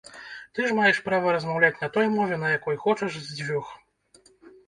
Ты ж маеш права размаўляць на той мове, на якой хочаш, з дзвюх.